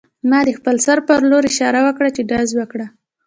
ما د خپل سر په لور اشاره وکړه چې ډز وکړه